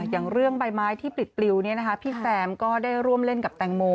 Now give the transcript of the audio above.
อย่างเรื่องใบไม้ที่ปลิดปลิวพี่แซมก็ได้ร่วมเล่นกับแตงโม